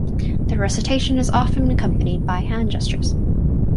The recitation is often accompanied by hand gestures.